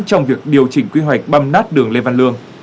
trong việc điều chỉnh quy hoạch băm nát đường lê văn lương